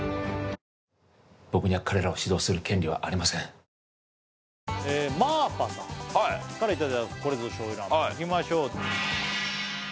何このまーぱさんからいただいたこれぞ醤油ラーメンいきましょう